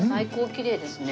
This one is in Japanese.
きれいですね。